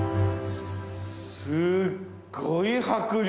すっごい迫力！